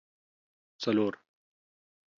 څلور